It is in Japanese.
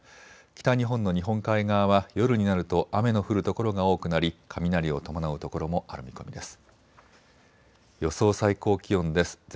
北日本の日本海側は夜になると雨の降る所が多くなり雷を伴う所もある見込みです。